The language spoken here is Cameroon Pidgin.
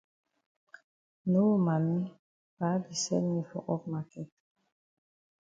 No Mami, Pa be send me for up maket.